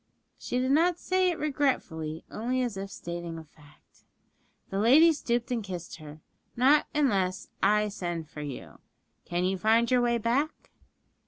She did not say it regretfully, only as if stating a fact. The lady stooped and kissed her. 'Not unless I send for you,' she said. 'Can you find your way back?'